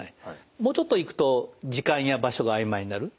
もうちょっといくと時間や場所があいまいになる。